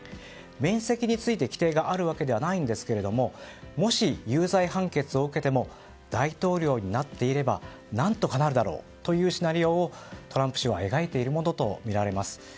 免責について規定があるわけではないんですけどももし有罪判決を受けても大統領になっていれば何とかなるだろうというシナリオをトランプ氏は描いているものとみられます。